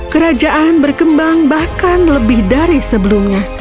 kerajaan berkembang bahkan lebih dari sebelumnya